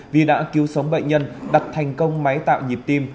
vì đã cứu sống bệnh nhân đặt thành công máy tạo nhịp tim